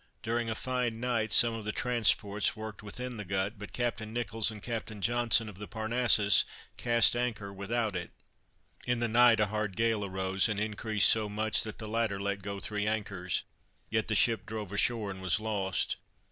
During a fine night, some of the transports, worked within the Gut, but Captain Nicholls, and Captain Johnson of the Parnassus, cast anchor without it. In the night a hard gale arose, and increased so much, that the latter let go three anchors, yet the ship drove ashore and was lost.